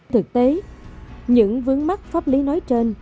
thực tế những vướng mắt pháp lý nói trên